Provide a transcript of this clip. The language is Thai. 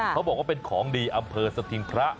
เขาบอกว่าเป็นของดีอำเภอสถิงพระ